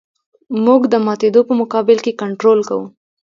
موږ د ماتېدو په مقابل کې کنټرول کوو